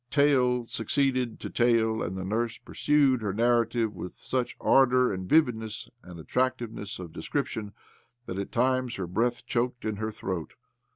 Tale succeeded to tale, and the nurse pursued her narrative with such ardour and vividness and attrac tiveness of description that at times her breath choked in her throat.